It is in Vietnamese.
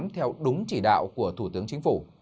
theo đúng chỉ đạo của thủ tướng chính phủ